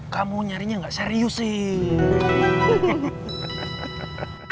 kamu nyarinya nggak serius sih